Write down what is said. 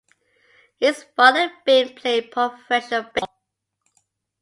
His father Bing played professional baseball.